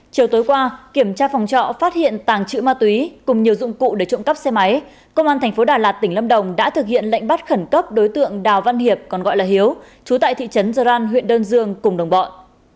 chiều tối qua kiểm tra phòng trọ phát hiện tàng trữ ma túy cùng nhiều dụng cụ để trộm cắp xe máy công an tp đà lạt tỉnh lâm đồng đã thực hiện lệnh bắt khẩn cấp đối tượng đào văn hiệp còn gọi là hiếu trú tại thị trấn gian huyện đơn dương cùng đồng bọn